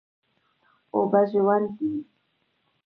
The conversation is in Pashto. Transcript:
اوبه ژوند دی؟